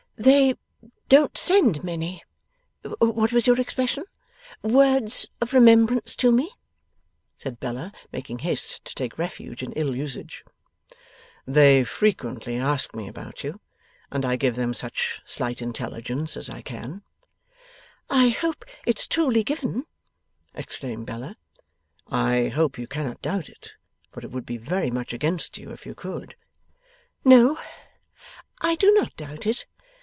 'They don't send many what was your expression? words of remembrance to me,' said Bella, making haste to take refuge in ill usage. 'They frequently ask me about you, and I give them such slight intelligence as I can.' 'I hope it's truly given,' exclaimed Bella. 'I hope you cannot doubt it, for it would be very much against you, if you could.' 'No, I do not doubt it.